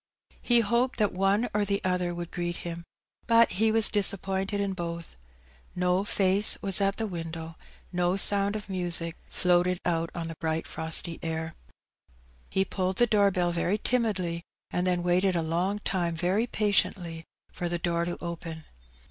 He hoped that one or the other would greet him; but he was disappointed in both. No face was at the window^ no sound of music floated out on the bright frosty air. He pulled the door bell very timidly^ and then waited a long time very patiently for the door to open.